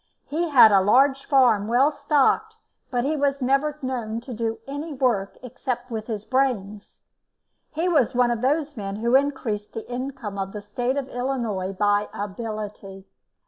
He had a large farm, well stocked, but he was never known to do any work except with his brains. He was one of those men who increased the income of the State of Illinois by ability.